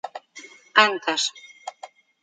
Antas